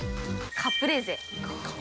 カプレーゼ？